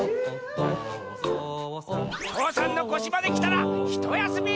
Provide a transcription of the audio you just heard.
父山のこしまできたらひとやすみ！